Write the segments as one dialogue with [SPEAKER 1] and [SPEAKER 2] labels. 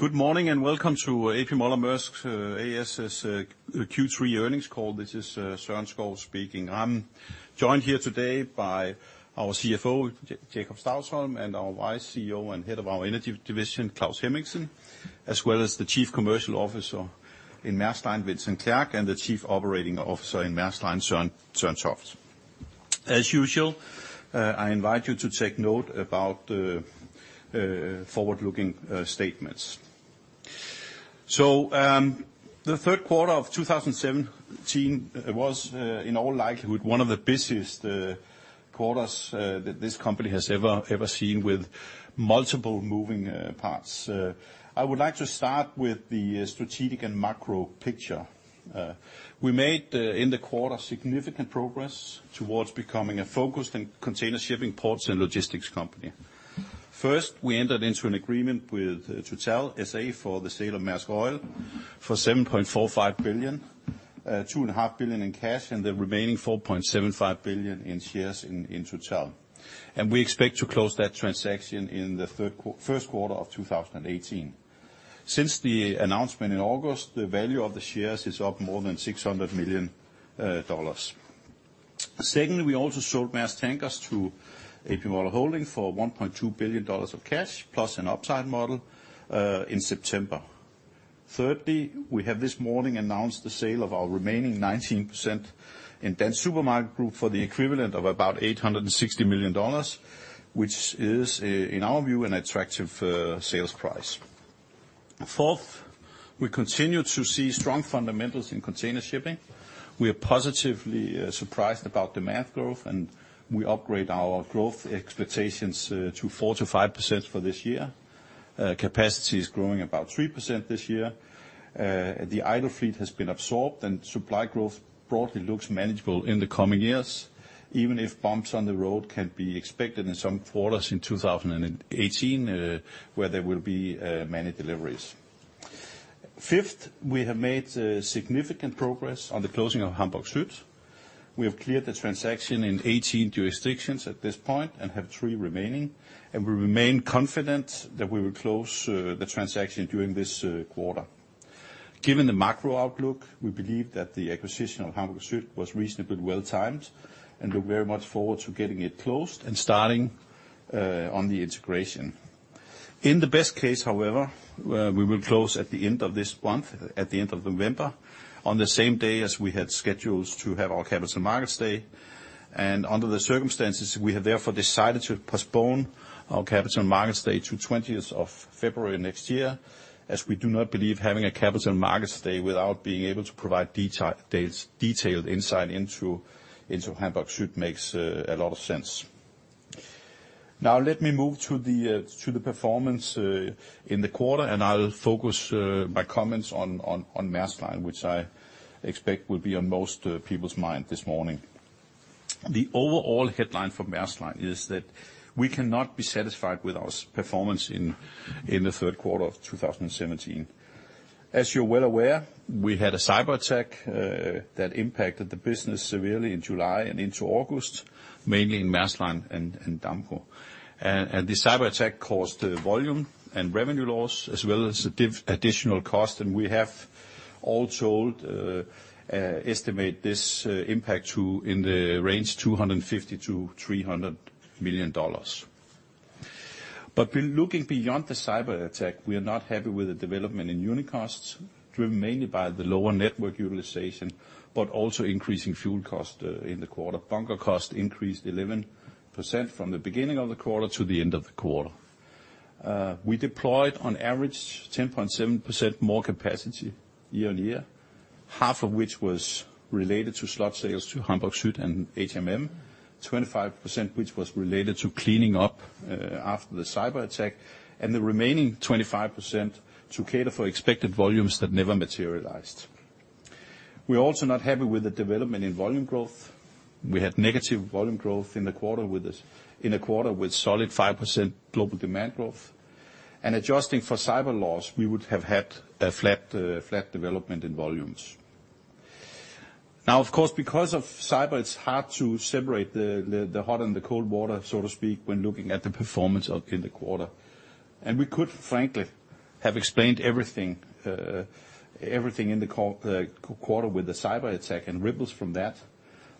[SPEAKER 1] Good morning, and welcome to A.P. Møller - Mærsk A/S's Q3 earnings call. This is Søren Skou speaking. I'm joined here today by our CFO, Jakob Stausholm, and our Vice CEO and Head of our Energy Division, Claus Hemmingsen, as well as the Chief Commercial Officer in Maersk Line, Vincent Clerc, and the Chief Operating Officer in Maersk Line, Søren Toft. As usual, I invite you to take note about the forward-looking statements. The third quarter of 2017 was in all likelihood one of the busiest quarters that this company has ever seen, with multiple moving parts. I would like to start with the strategic and macro picture. We made in the quarter significant progress towards becoming a focused container shipping, ports, and logistics company. First, we entered into an agreement with Total S.A. for the sale of Maersk Oil for $7.45 billion, $2.5 billion in cash, and the remaining $4.75 billion in shares in Total. We expect to close that transaction in the first quarter of 2018. Since the announcement in August, the value of the shares is up more than $600 million. Secondly, we also sold Maersk Tankers to A.P. Moller Holding for $1.2 billion of cash, plus an upside model, in September. Thirdly, we have this morning announced the sale of our remaining 19% in Dansk Supermarked Group for the equivalent of about $860 million, which is in our view, an attractive sales price. Fourth, we continue to see strong fundamentals in container shipping. We are positively surprised about demand growth, and we upgrade our growth expectations to 4%-5% for this year. Capacity is growing about 3% this year. The idle fleet has been absorbed and supply growth broadly looks manageable in the coming years, even if bumps on the road can be expected in some quarters in 2018, where there will be many deliveries. Fifth, we have made significant progress on the closing of Hamburg Süd. We have cleared the transaction in 18 jurisdictions at this point and have three remaining, and we remain confident that we will close the transaction during this quarter. Given the macro-outlook, we believe that the acquisition of Hamburg Süd was reasonably well timed and look very much forward to getting it closed and starting on the integration. In the best case, however, we will close at the end of this month, at the end of November, on the same day as we had scheduled to have our Capital Markets Day. Under the circumstances, we have therefore decided to postpone our Capital Markets Day to twentieth of February next year, as we do not believe having a Capital Markets Day without being able to provide detailed insight into Hamburg Süd makes a lot of sense. Now let me move to the performance in the quarter, and I'll focus my comments on Maersk Line, which I expect will be on most people's mind this morning. The overall headline for Maersk Line is that we cannot be satisfied with our performance in the third quarter of 2017. As you're well aware, we had a cyberattack that impacted the business severely in July and into August, mainly in Maersk Line and Damco. The cyberattack caused volume and revenue loss, as well as additional cost, and we have altogether estimated this impact to be in the range $250-$300 million. When looking beyond the cyberattack, we are not happy with the development in unit costs, driven mainly by the lower network utilization, but also increasing fuel cost in the quarter. Bunker cost increased 11% from the beginning of the quarter to the end of the quarter. We deployed on average 10.7% more capacity year-on-year, half of which was related to slot sales to Hamburg Süd and HMM, 25% which was related to cleaning up after the cyberattack, and the remaining 25% to cater for expected volumes that never materialized. We are also not happy with the development in volume growth. We had negative volume growth in the quarter with this, in a quarter with solid 5% global demand growth. Adjusting for cyber loss, we would have had a flat development in volumes. Now of course, because of cyber, it's hard to separate the hot and the cold water, so to speak, when looking at the performance in the quarter. We could frankly have explained everything in the quarter with the cyberattack and ripples from that.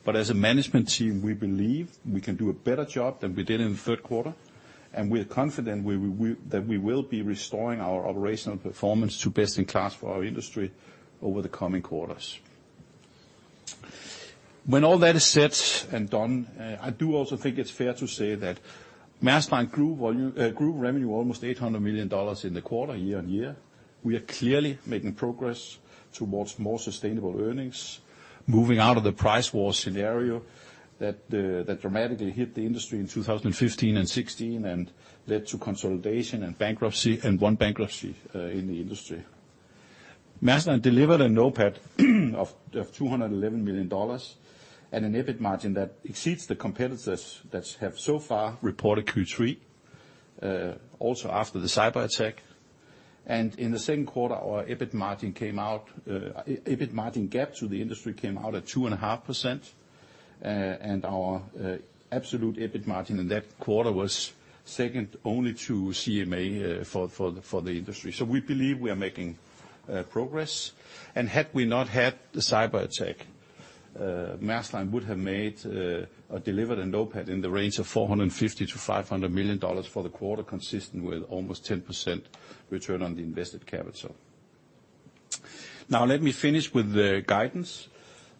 [SPEAKER 1] As a management team, we believe we can do a better job than we did in the third quarter, and we are confident that we will be restoring our operational performance to best in class for our industry over the coming quarters. When all that is said and done, I do also think it's fair to say that Maersk Line grew volume, grew revenue almost $800 million in the quarter year-on-year. We are clearly making progress towards more sustainable earnings, moving out of the price war scenario that dramatically hit the industry in 2015 and 2016 and led to consolidation and bankruptcy and one bankruptcy in the industry. Maersk Line delivered an OPAT of $211 million and an EBIT margin that exceeds the competitors that have so far reported Q3, also after the cyberattack. In the second quarter, our EBIT margin came out, EBIT margin gap to the industry came out at 2.5%. Our absolute EBIT margin in that quarter was second only to CMA for the industry. We believe we are making progress. Had we not had the cyber attack, Maersk Line would have made or delivered an OPAT in the range of $450 million-$500 million for the quarter, consistent with almost 10% return on the invested capital. Now let me finish with the guidance.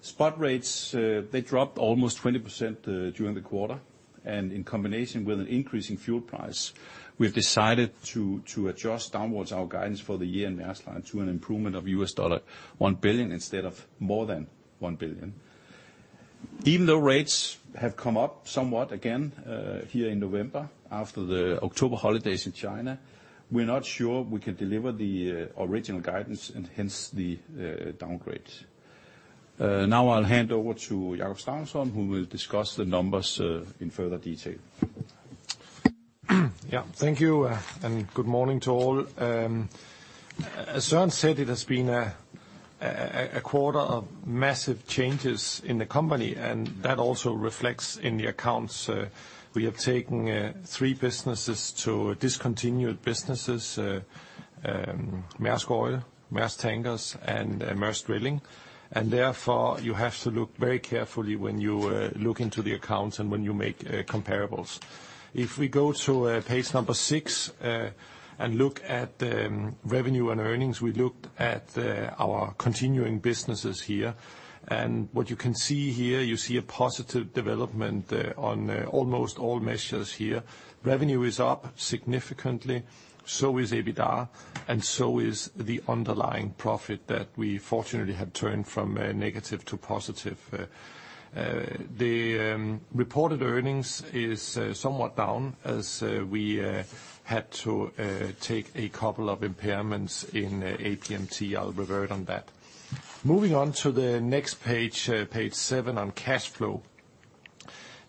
[SPEAKER 1] Spot rates they dropped almost 20% during the quarter, and in combination with an increase in fuel price, we've decided to adjust downwards our guidance for the year in Maersk Line to an improvement of $1 billion instead of more than $1 billion. Even though rates have come up somewhat again here in November, after the October holidays in China, we're not sure we can deliver the original guidance and hence the downgrade. Now I'll hand over to Jakob Stausholm, who will discuss the numbers in further detail.
[SPEAKER 2] Yeah, thank you and good morning to all. As Søren said, it has been a quarter of massive changes in the company, and that also reflects in the accounts. We have taken three businesses to discontinued businesses, Maersk Oil, Maersk Tankers, and Maersk Drilling. Therefore, you have to look very carefully when you look into the accounts and when you make comparables. If we go to page 6 and look at revenue and earnings, we looked at our continuing businesses here. What you can see here, you see a positive development on almost all measures here. Revenue is up significantly, so is EBITDA, and so is the underlying profit that we fortunately have turned from negative to positive. The reported earnings is somewhat down as we had to take a couple of impairments in APMT. I'll revert on that. Moving on to the next page. Page seven on cash flow.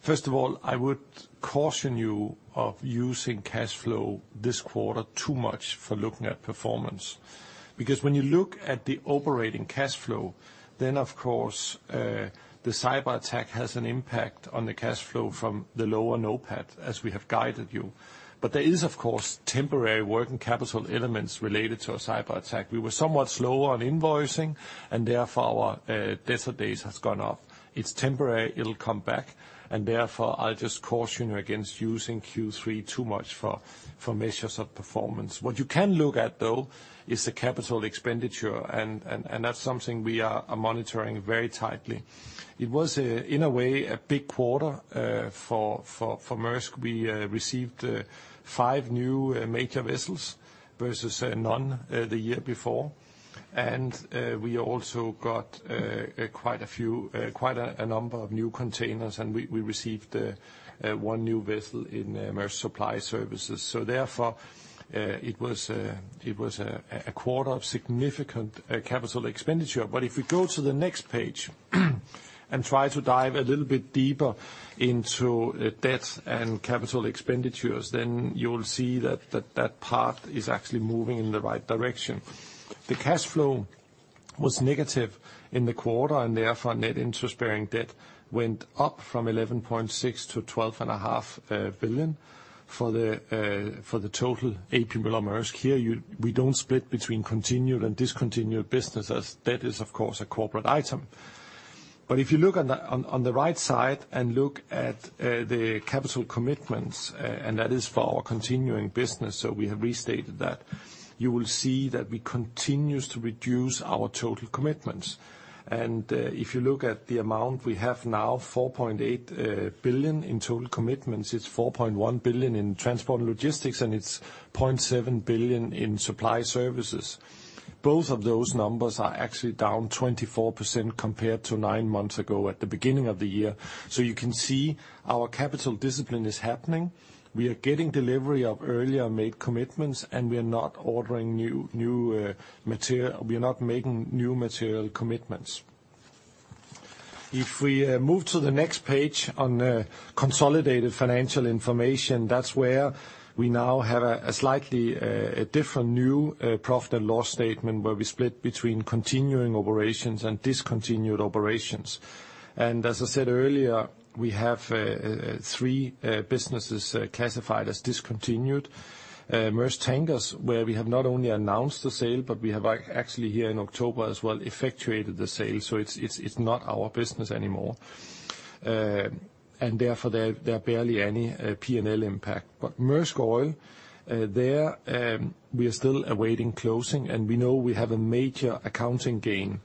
[SPEAKER 2] First of all, I would caution you of using cash flow this quarter too much for looking at performance. Because when you look at the operating cash flow, then of course, the cyber attack has an impact on the cash flow from the lower OPAT, as we have guided you. But there is, of course, temporary working capital elements related to a cyberattack. We were somewhat slow on invoicing, and therefore, our debtor days has gone up. It's temporary, it'll come back, and therefore, I'll just caution you against using Q3 too much for measures of performance. What you can look at, though, is the capital expenditure, and that's something we are monitoring very tightly. It was, in a way, a big quarter for Maersk. We received 5 new major vessels versus none the year before. We also got quite a few, quite a number of new containers, and we received 1 new vessel in Maersk Supply Service. It was a quarter of significant capital expenditure. If we go to the next page and try to dive a little bit deeper into debt and capital expenditures, then you'll see that part is actually moving in the right direction. The cash flow was negative in the quarter, and therefore, net interest-bearing debt went up from $11.6 billion to $12.5 billion for the total A.P. Møller - Mærsk. Here, we don't split between continued and discontinued businesses. That is, of course, a corporate item. If you look on the right side and look at the capital commitments, and that is for our continuing business, so we have restated that, you will see that we continues to reduce our total commitments. If you look at the amount we have now, $4.8 billion in total commitments. It's $4.1 billion in transport and logistics, and it's $0.7 billion in supply services. Both of those numbers are actually down 24% compared to nine months ago at the beginning of the year. You can see our capital discipline is happening. We are getting delivery of earlier made commitments, and we are not making new material commitments. If we move to the next page on consolidated financial information, that's where we now have a slightly different new profit and loss statement, where we split between continuing operations and discontinued operations. As I said earlier, we have three businesses classified as discontinued. Maersk Tankers, where we have not only announced the sale, but we have actually here in October as well effectuated the sale, so it's not our business anymore. Therefore, there are barely any P&L impact. Maersk Oil, we are still awaiting closing, and we know we have a major accounting gain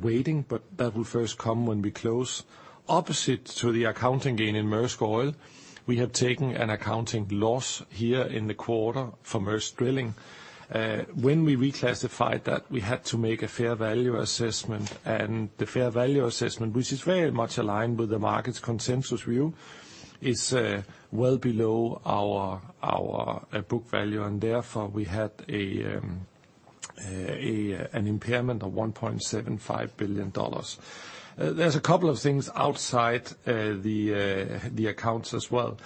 [SPEAKER 2] waiting, but that will first come when we close. Opposite to the accounting gain in Maersk Oil, we have taken an accounting loss here in the quarter for Maersk Drilling. When we reclassified that, we had to make a fair value assessment, and the fair value assessment, which is very much aligned with the market's consensus view, is well below our book value, and therefore, we had an impairment of $1.75 billion. There's a couple of things outside the accounts as well.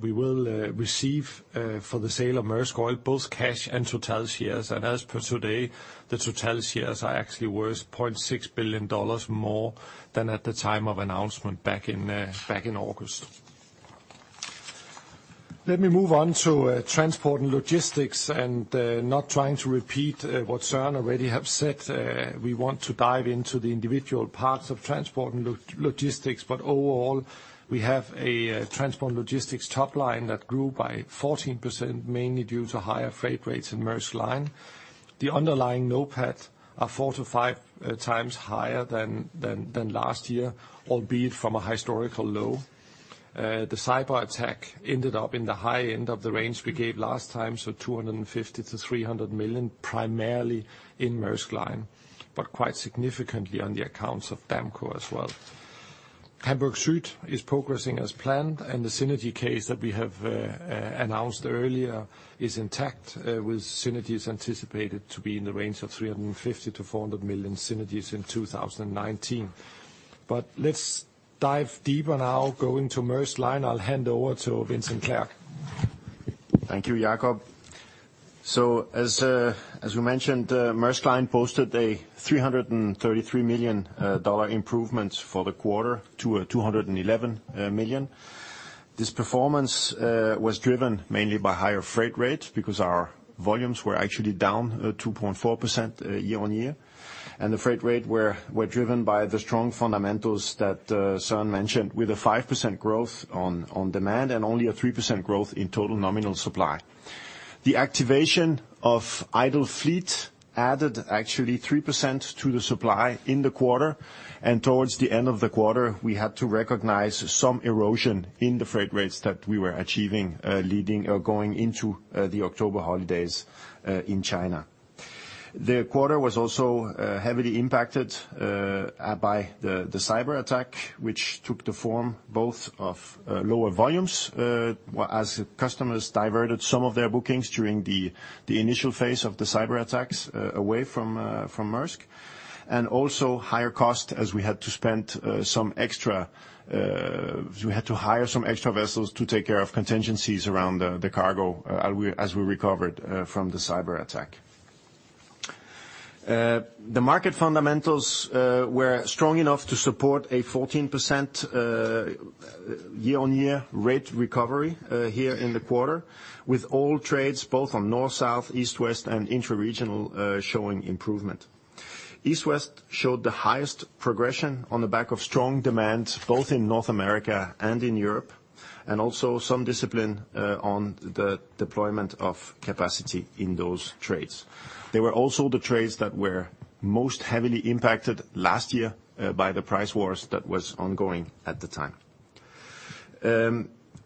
[SPEAKER 2] We will receive for the sale of Maersk Oil both cash and Total shares. As of today, the Total shares are actually worth $0.6 billion more than at the time of announcement back in August. Let me move on to transport and logistics, and not trying to repeat what Søren already have said. We want to dive into the individual parts of transport and logistics. Overall, we have a transport and logistics top line that grew by 14% mainly due to higher freight rates in Maersk Line. The underlying NOPAT are 4-5 times higher than last year, albeit from a historical low. The cyberattack ended up in the high end of the range we gave last time, so $250 million-$300 million, primarily in Maersk Line, but quite significantly on the accounts of Damco as well. Hamburg Süd is progressing as planned, and the synergy case that we have announced earlier is intact, with synergies anticipated to be in the range of $350 million-$400 million in 2019. Let's dive deeper now, going to Maersk Line. I'll hand over to Vincent Clerc.
[SPEAKER 3] Thank you, Jakob. As we mentioned, Maersk Line posted a $333 million improvement for the quarter to $211 million. This performance was driven mainly by higher freight rates because our volumes were actually down 2.4% year-on-year. The freight rate were driven by the strong fundamentals that Søren mentioned, with a 5% growth on demand and only a 3% growth in total nominal supply. The activation of idle fleet added actually 3% to the supply in the quarter. Towards the end of the quarter, we had to recognize some erosion in the freight rates that we were achieving, leading or going into the October holidays in China. The quarter was also heavily impacted by the cyberattack, which took the form both of lower volumes as customers diverted some of their bookings during the initial phase of the cyberattack away from Maersk, and also higher costs as we had to hire some extra vessels to take care of contingencies around the cargo as we recovered from the cyberattack. The market fundamentals were strong enough to support a 14% year-on-year rate recovery here in the quarter, with all trades both on north, south, east, west, and intraregional showing improvement. East-west showed the highest progression on the back of strong demand both in North America and in Europe, and also some discipline on the deployment of capacity in those trades. They were also the trades that were most heavily impacted last year by the price wars that was ongoing at the time.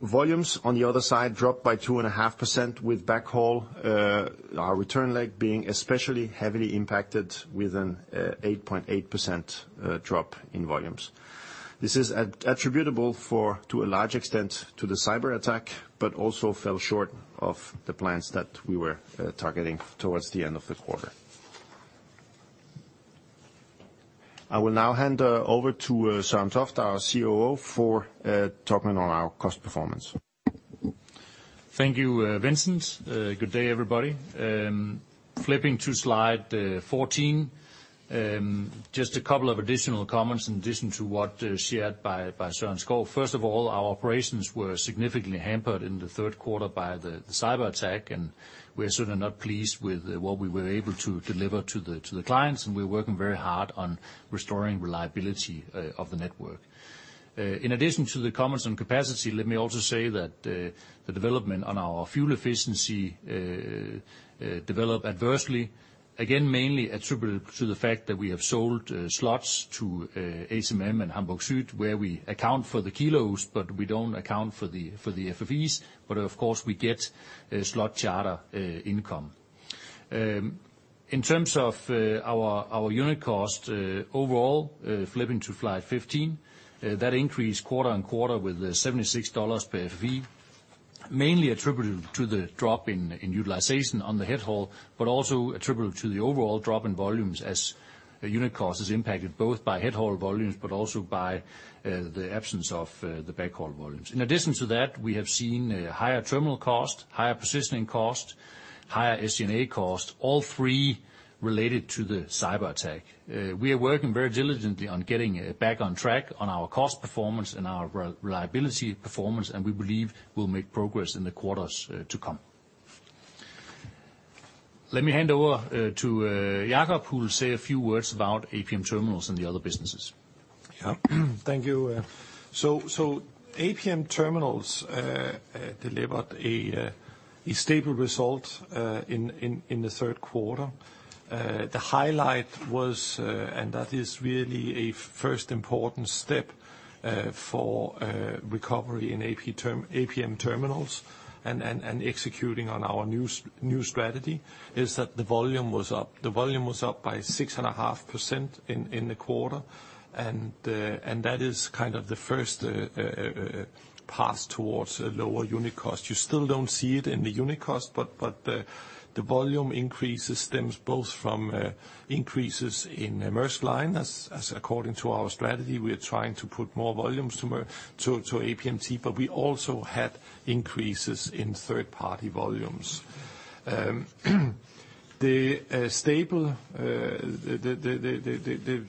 [SPEAKER 3] Volumes, on the other side, dropped by 2.5% with backhaul, our return leg being especially heavily impacted with an 8.8% drop in volumes. This is attributable, to a large extent, to the cyberattack, but also fell short of the plans that we were targeting towards the end of the quarter. I will now hand over to Søren Toft, our COO, for talking on our cost performance.
[SPEAKER 4] Thank you, Vincent. Good day, everybody. Flipping to slide 14, just a couple of additional comments in addition to what shared by Søren Skou. First of all, our operations were significantly hampered in the third quarter by the cyberattack, and we are certainly not pleased with what we were able to deliver to the clients, and we're working very hard on restoring reliability of the network. In addition to the comments on capacity, let me also say that the development on our fuel efficiency developed adversely, again, mainly attributable to the fact that we have sold slots to HMM and Hamburg Süd, where we account for the kilos, but we don't account for the FFE's, but of course, we get slot charter income. In terms of our unit cost overall, flipping to slide 15, that increased quarter-on-quarter with $76 per FFE, mainly attributable to the drop in utilization on the head haul, but also attributable to the overall drop in volumes as unit cost is impacted both by head haul volumes, but also by the absence of the backhaul volumes. In addition to that, we have seen higher terminal cost, higher positioning cost, higher SG&A cost, all three related to the cyberattack. We are working very diligently on getting back on track on our cost performance and our reliability performance, and we believe we'll make progress in the quarters to come. Let me hand over to Jakob, who will say a few words about APM Terminals and the other businesses.
[SPEAKER 2] Yeah. Thank you. APM Terminals delivered a stable result in the third quarter. The highlight was and that is really a first important step for recovery in APM Terminals and executing on our new strategy, is that the volume was up. The volume was up by 6.5% in the quarter and that is kind of the first path towards a lower unit cost. You still don't see it in the unit cost but the volume increases stems both from increases in Maersk Line, as according to our strategy, we are trying to put more volumes to APMT, but we also had increases in third-party volumes. The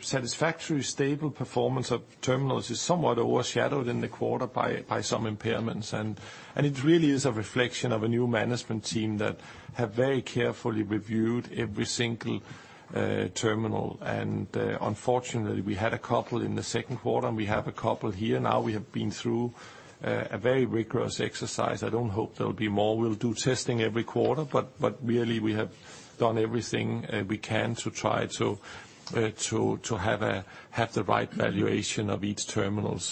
[SPEAKER 2] satisfactory stable performance of terminals is somewhat overshadowed in the quarter by some impairments and it really is a reflection of a new management team that have very carefully reviewed every single terminal. Unfortunately, we had a couple in the second quarter, and we have a couple here now. We have been through a very rigorous exercise. I don't hope there will be more. We'll do testing every quarter, but really, we have done everything we can to try to have the right valuation of each terminals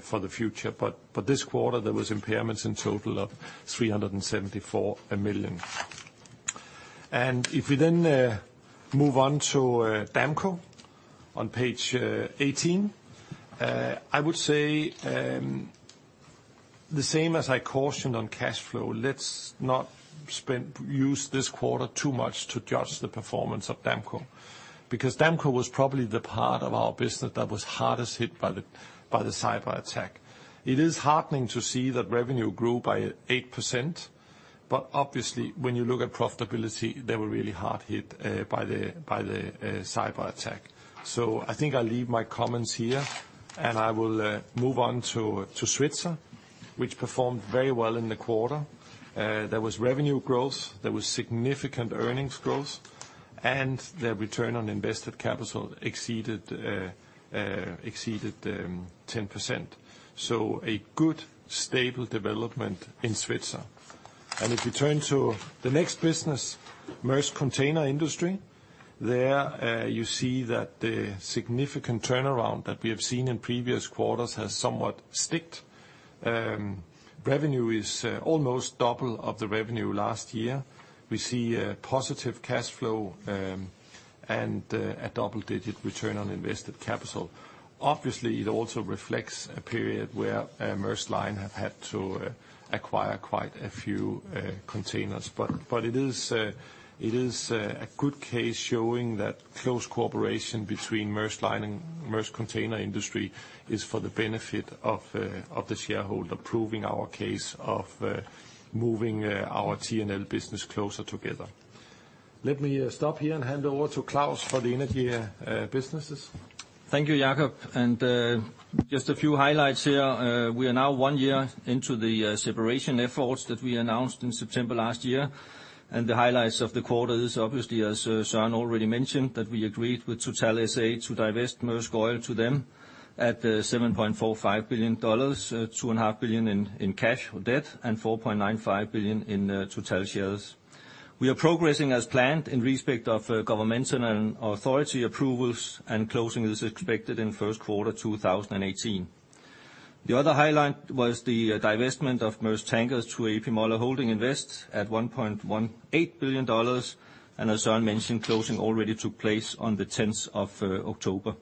[SPEAKER 2] for the future. This quarter, there was impairments in total of $374 million. If we then move on to Damco, on page 18, I would say the same as I cautioned on cash flow, let's not use this quarter too much to judge the performance of Damco, because Damco was probably the part of our business that was hardest hit by the cyberattack. It is heartening to see that revenue grew by 8%. Obviously, when you look at profitability, they were really hard hit by the cyberattack. I think I'll leave my comments here, and I will move on to Svitzer, which performed very well in the quarter. There was revenue growth, there was significant earnings growth, and their return on invested capital exceeded 10%. A good, stable development in Svitzer. If you turn to the next business, Maersk Container Industry, there you see that the significant turnaround that we have seen in previous quarters has somewhat stuck. Revenue is almost double of the revenue last year. We see a positive cash flow and a double-digit return on invested capital. Obviously, it also reflects a period where Maersk Line has had to acquire quite a few containers. It is a good case showing that close cooperation between Maersk Line and Maersk Container Industry is for the benefit of the shareholder, proving our case of moving our T&L business closer together. Let me stop here and hand over to Claus for the energy businesses.
[SPEAKER 5] Thank you, Jakob. Just a few highlights here. We are now one year into the separation efforts that we announced in September last year. The highlights of the quarter is obviously, as Søren already mentioned, that we agreed with Total S.A. to divest Maersk Oil to them at $7.45 billion, $2.5 billion in cash or debt, and $4.95 billion in Total S.A. shares. We are progressing as planned in respect of governmental and authority approvals, and closing is expected in first quarter 2018. The other highlight was the divestment of Maersk Tankers to A.P. Moller Holding at $1.18 billion, and as Søren mentioned, closing already took place on the 10th of October.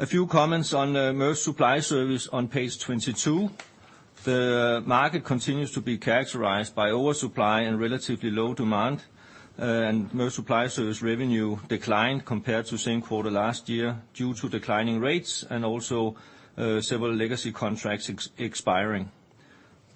[SPEAKER 5] A few comments on Maersk Supply Service on page 22. The market continues to be characterized by oversupply and relatively low demand, and Maersk Supply Service revenue declined compared to same quarter last year due to declining rates and also, several legacy contracts expiring.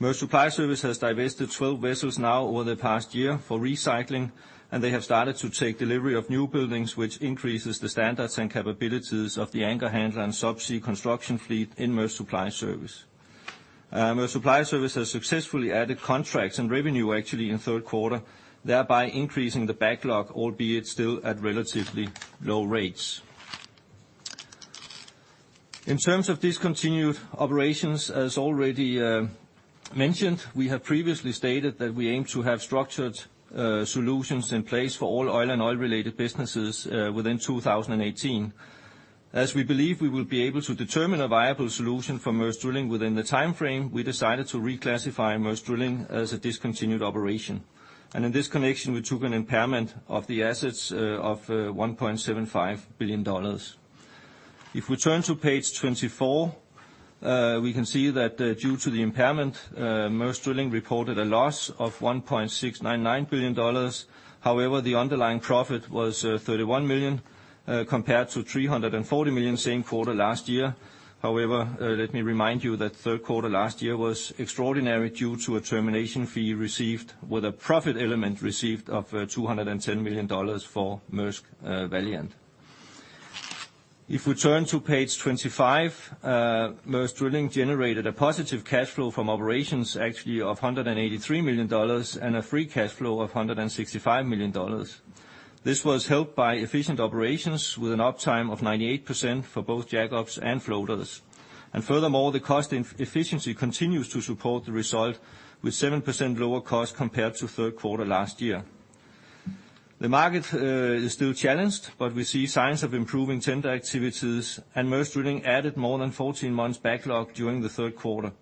[SPEAKER 5] Maersk Supply Service has divested 12 vessels now over the past year for recycling, and they have started to take delivery of new buildings, which increases the standards and capabilities of the anchor handling subsea construction fleet in Maersk Supply Service. Maersk Supply Service has successfully added contracts and revenue actually in third quarter, thereby increasing the backlog, albeit still at relatively low rates. In terms of discontinued operations, as already mentioned, we have previously stated that we aim to have structured solutions in place for all oil and oil-related businesses within 2018. As we believe we will be able to determine a viable solution for Maersk Drilling within the timeframe, we decided to reclassify Maersk Drilling as a discontinued operation. In this connection, we took an impairment of the assets of $1.75 billion. If we turn to page 24, we can see that, due to the impairment, Maersk Drilling reported a loss of $1.699 billion. However, the underlying profit was $31 million compared to $340 million same quarter last year. However, let me remind you that third quarter last year was extraordinary due to a termination fee received with a profit element of $210 million for Maersk Valiant. If we turn to page 25, Maersk Drilling generated a positive cash flow from operations actually of $183 million and a free cash flow of $165 million. This was helped by efficient operations with an uptime of 98% for both jackups and floaters. Furthermore, the cost efficiency continues to support the result with 7% lower cost compared to third quarter last year. The market is still challenged, but we see signs of improving tender activities, and Maersk Drilling added more than 14 months backlog during the third quarter.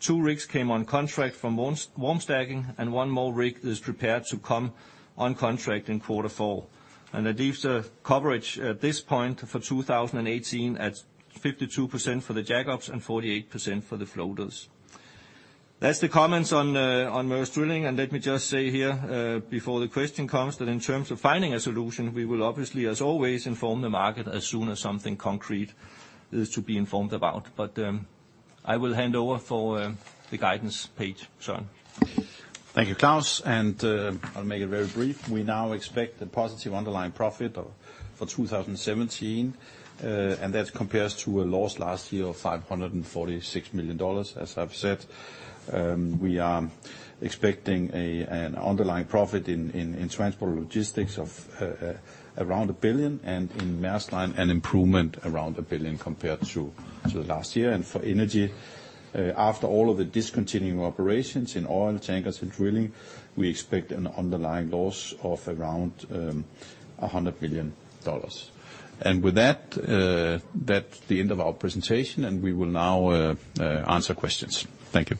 [SPEAKER 5] Two rigs came on contract from warm stacking, and one more rig is prepared to come on contract in quarter four. That leaves the coverage at this point for 2018 at 52% for the jackups and 48% for the floaters. That's the comments on Maersk Drilling. Let me just say here, before the question comes, that in terms of finding a solution, we will obviously, as always, inform the market as soon as something concrete is to be informed about. I will hand over for the guidance page. Søren.
[SPEAKER 1] Thank you, Claus, and I'll make it very brief. We now expect a positive underlying profit for 2017, and that compares to a loss last year of $546 million. As I've said, we are expecting an underlying profit in transport and logistics of around $1 billion and in Maersk Line an improvement around $1 billion compared to last year. For energy, after all of the discontinuing operations in oil, tankers, and drilling, we expect an underlying loss of around $100 million. With that's the end of our presentation, and we will now answer questions. Thank you.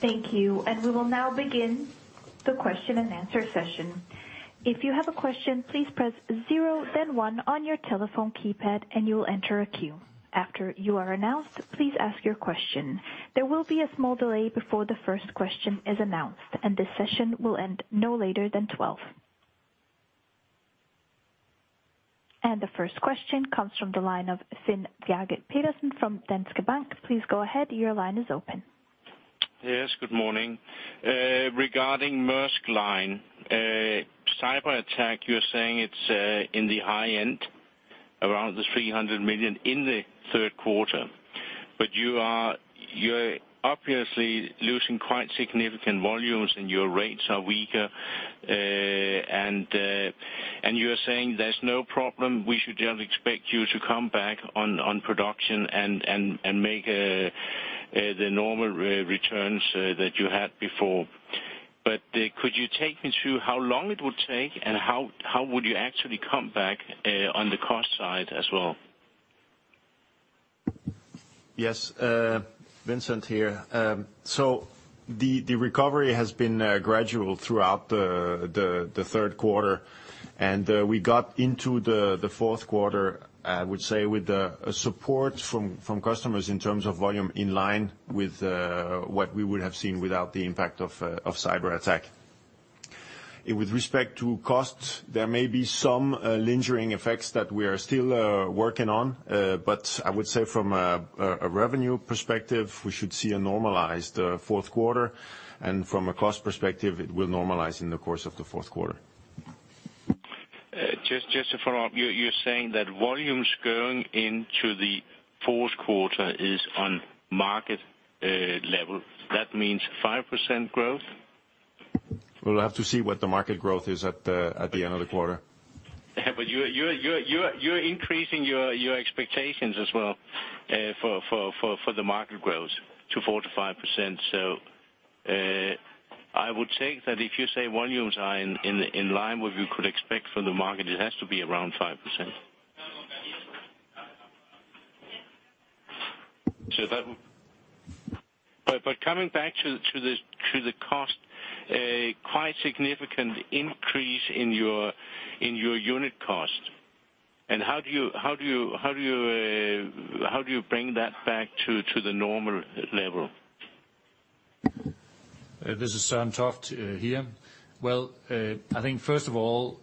[SPEAKER 6] Thank you. We will now begin the question-and-answer session. If you have a question, please press zero then one on your telephone keypad and you will enter a queue. After you are announced, please ask your question. There will be a small delay before the first question is announced, and this session will end no later than twelve. The first question comes from the line of Finn Bjarke Pedersen from Danske Bank. Please go ahead. Your line is open.
[SPEAKER 7] Yes, good morning. Regarding Maersk Line cyber attack, you're saying it's in the high end, around the $300 million in the third quarter. You're obviously losing quite significant volumes, and your rates are weaker. You are saying there's no problem, we should just expect you to come back on production and make the normal returns that you had before. Could you take me through how long it would take, and how would you actually come back on the cost side as well?
[SPEAKER 3] Yes, Vincent here. The recovery has been gradual throughout the third quarter. We got into the fourth quarter, I would say, with a support from customers in terms of volume in line with what we would have seen without the impact of cyber attack. With respect to costs, there may be some lingering effects that we are still working on. I would say from a revenue perspective, we should see a normalized fourth quarter. From a cost perspective, it will normalize in the course of the fourth quarter.
[SPEAKER 7] Just to follow up, you're saying that volumes going into the fourth quarter is on market level. That means 5% growth?
[SPEAKER 3] We'll have to see what the market growth is at the end of the quarter.
[SPEAKER 7] You're increasing your expectations as well for the market growth to 4%-5%. I would take that if you say volumes are in line with what you could expect from the market, it has to be around 5%. Coming back to the cost, a quite significant increase in your unit cost. How do you bring that back to the normal level?
[SPEAKER 4] This is Søren Toft here. I think first of all,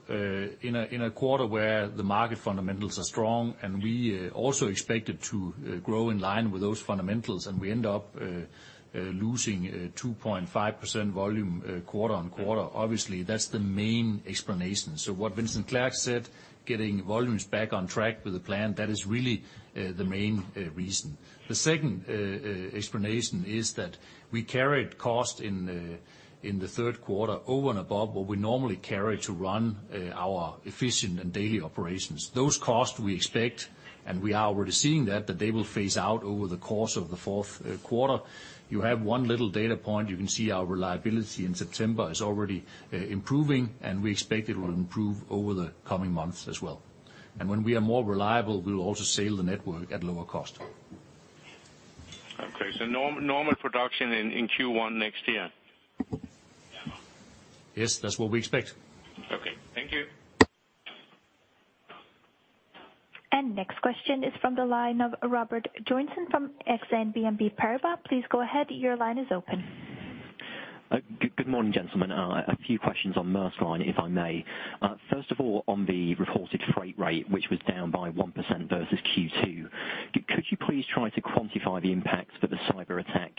[SPEAKER 4] in a quarter where the market fundamentals are strong, and we also expect it to grow in line with those fundamentals, and we end up losing 2.5% volume quarter-on-quarter, obviously that's the main explanation. What Vincent Clerc said, getting volumes back on track with the plan, that is really the main reason. The second explanation is that we carried cost in the third quarter over and above what we normally carry to run our efficient and daily operations. Those costs we expect, and we are already seeing that they will phase out over the course of the fourth quarter. You have one little data point. You can see our reliability in September is already improving, and we expect it will improve over the coming months as well. When we are more reliable, we will also sail the network at lower cost.
[SPEAKER 7] Normal production in Q1 next year?
[SPEAKER 4] Yes. That's what we expect.
[SPEAKER 7] Okay. Thank you.
[SPEAKER 6] Next question is from the line of Robert Joynson from Exane BNP Paribas. Please go ahead. Your line is open.
[SPEAKER 8] Good morning, gentlemen. A few questions on Maersk Line, if I may. First of all, on the reported freight rate, which was down by 1% versus Q2, could you please try to quantify the impact that the cyber attack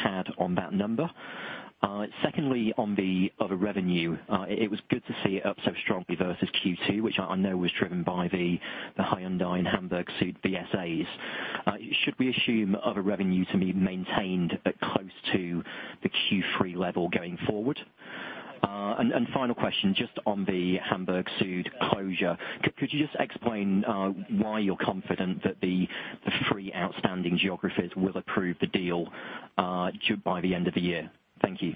[SPEAKER 8] had on that number? Secondly, on the other revenue, it was good to see it up so strongly versus Q2, which I know was driven by the Hyundai and Hamburg Süd VSAs. Should we assume other revenue to be maintained at close to the Q3 level going forward? Final question, just on the Hamburg Süd closure. Could you just explain why you're confident that the three outstanding geographies will approve the deal by the end of the year? Thank you.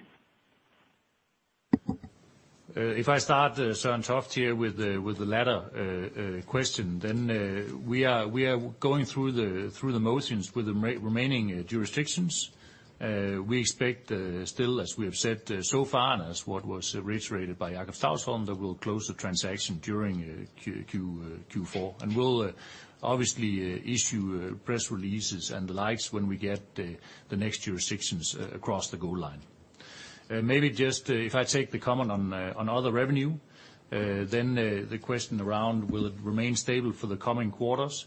[SPEAKER 4] If I start, Søren Toft here with the latter question, then we are going through the motions with the remaining jurisdictions. We expect still, as we have said so far, and as what was reiterated by Jakob Stausholm, that we'll close the transaction during Q4. We'll obviously issue press releases and the likes when we get the next jurisdictions across the goal line. Maybe just, if I take the comment on other revenue, then the question around will it remain stable for the coming quarters?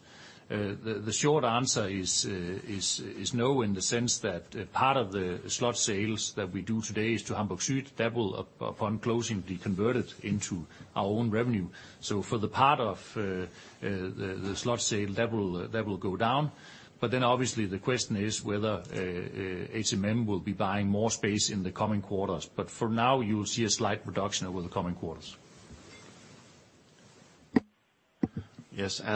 [SPEAKER 4] The short answer is no, in the sense that part of the slot sales that we do today is to Hamburg Süd, that will, upon closing, be converted into our own revenue. For the part of the slot sale, that will go down. Obviously the question is whether HMM will be buying more space in the coming quarters. For now, you'll see a slight reduction over the coming quarters.
[SPEAKER 3] Vincent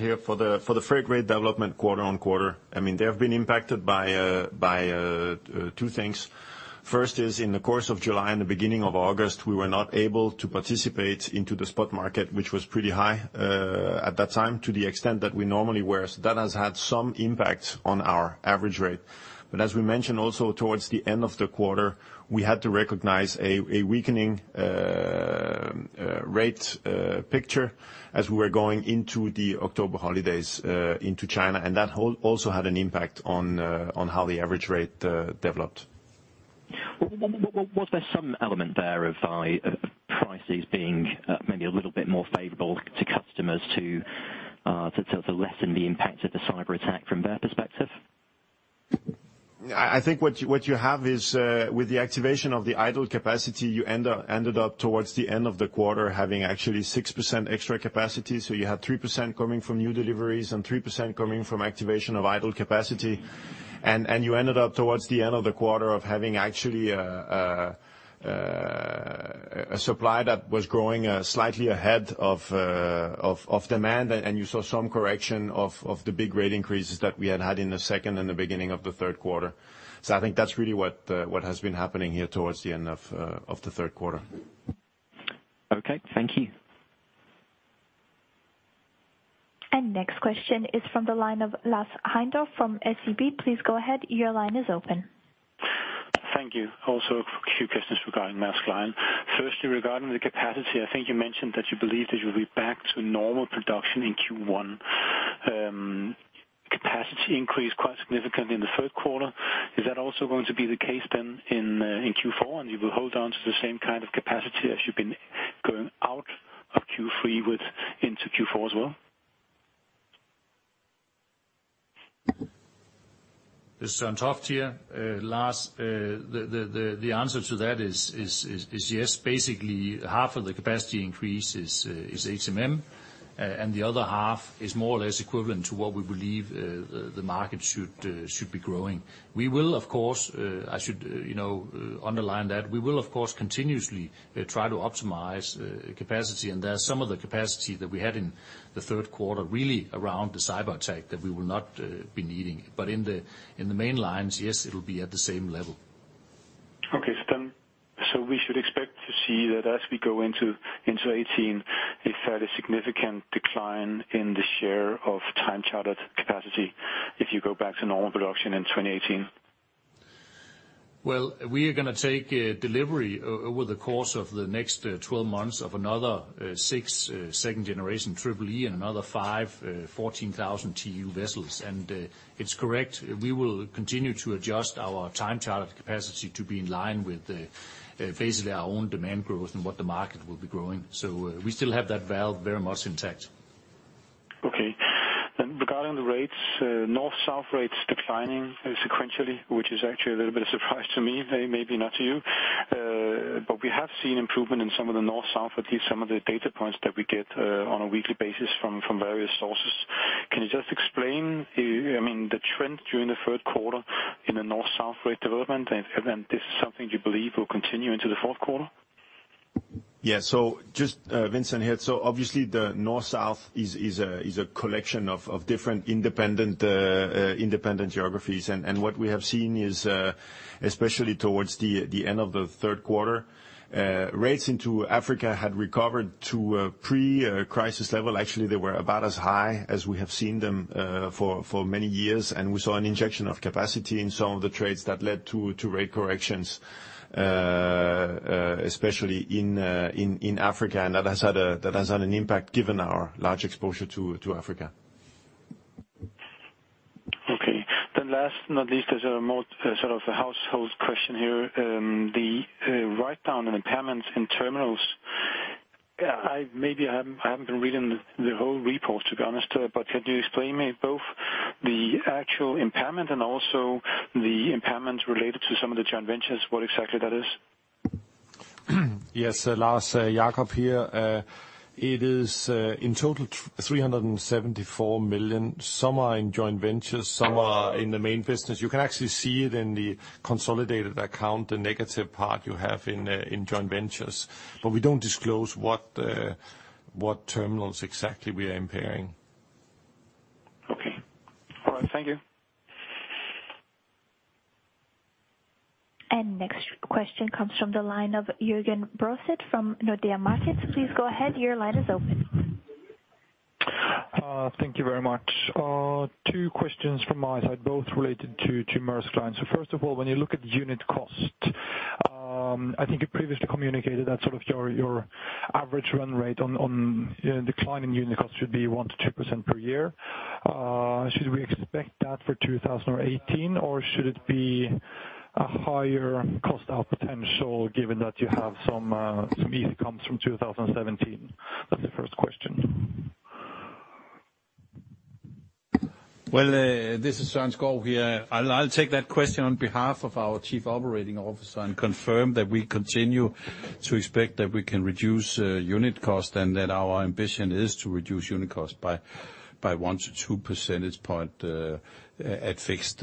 [SPEAKER 3] Clerc here. For the freight rate development quarter-on-quarter, I mean, they have been impacted by two things. First is in the course of July and the beginning of August, we were not able to participate in the spot market, which was pretty high at that time, to the extent that we normally were. That has had some impact on our average rate. As we mentioned also, towards the end of the quarter, we had to recognize a weakening rate picture as we were going into the October holidays in China. That also had an impact on how the average rate developed.
[SPEAKER 8] Was there some element there of prices being maybe a little bit more favorable to customers to lessen the impact of the cyber attack from their perspective?
[SPEAKER 3] I think what you have is with the activation of the idle capacity, you ended up towards the end of the quarter having actually 6% extra capacity. You had 3% coming from new deliveries and 3% coming from activation of idle capacity. You ended up towards the end of the quarter having actually a supply that was growing slightly ahead of demand, and you saw some correction of the big rate increases that we had had in the second and the beginning of the third quarter. I think that's really what has been happening here towards the end of the third quarter.
[SPEAKER 8] Okay, thank you.
[SPEAKER 6] Next question is from the line of Lars Heindorff from SEB. Please go ahead, your line is open.
[SPEAKER 9] Thank you. Also a few questions regarding Maersk Line. Firstly, regarding the capacity, I think you mentioned that you believe that you'll be back to normal production in Q1. Capacity increased quite significantly in the third quarter. Is that also going to be the case then in Q4, and you will hold on to the same kind of capacity as you've been going out of Q3 with into Q4 as well?
[SPEAKER 4] This is Søren Toft here. Lars, the answer to that is yes. Basically, half of the capacity increase is HMM, and the other half is more or less equivalent to what we believe the market should be growing. We will, of course, I should, you know, underline that, we will, of course, continuously try to optimize capacity. There are some of the capacity that we had in the third quarter, really around the cyber attack, that we will not be needing. In the main lines, yes, it'll be at the same level.
[SPEAKER 9] We should expect to see that as we go into 2018, a fairly significant decline in the share of time chartered capacity if you go back to normal production in 2018.
[SPEAKER 4] Well, we are gonna take delivery over the course of the next 12 months of another 6 second generation Triple-E and another 5 14,000 TEU vessels. It's correct, we will continue to adjust our time chartered capacity to be in line with basically our own demand growth and what the market will be growing. We still have that valve very much intact.
[SPEAKER 9] Okay. Regarding the rates, north/south rates declining sequentially, which is actually a little bit of surprise to me, maybe not to you. We have seen improvement in some of the north/south, at least some of the data points that we get on a weekly basis from various sources. Can you just explain, I mean, the trend during the third quarter in the north/south rate development, and then this is something you believe will continue into the fourth quarter?
[SPEAKER 3] Just, Vincent here. Obviously the North/South is a collection of different independent geographies. What we have seen is especially towards the end of the third quarter rates into Africa had recovered to a pre-crisis level. Actually, they were about as high as we have seen them for many years. We saw an injection of capacity in some of the trades that led to rate corrections especially in Africa. That has had an impact given our large exposure to Africa.
[SPEAKER 9] Okay. Last, not least, as a more sort of a household question here. The write-down and impairment in terminals. I maybe haven't been reading the whole report, to be honest. Can you explain me both the actual impairment and also the impairment related to some of the joint ventures, what exactly that is?
[SPEAKER 2] Yes, Lars. Jakob here. It is in total $374 million. Some are in joint ventures, some are in the main business. You can actually see it in the consolidated account, the negative part you have in joint ventures. But we don't disclose what terminals exactly we are impairing.
[SPEAKER 9] Okay. All right, thank you.
[SPEAKER 6] Next question comes from the line of Jørgen Bruaset from Nordea Markets. Please go ahead, your line is open.
[SPEAKER 10] Thank you very much. Two questions from my side, both related to Maersk Line. First of all, when you look at unit cost, I think you previously communicated that sort of your average run rate on decline in unit cost should be 1%-2% per year. Should we expect that for 2018, or should it be a higher cost potential given that you have some easy comps from 2017? That's the first question.
[SPEAKER 1] Well, this is Søren Skou here. I'll take that question on behalf of our Chief Operating Officer and confirm that we continue to expect that we can reduce unit cost, and that our ambition is to reduce unit cost by 1-2 percentage points at fixed